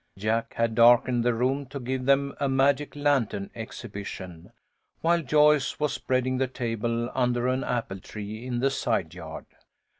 Jack had darkened the room to give them a magic lantern exhibition, while Joyce was spreading the table under an apple tree in the side yard.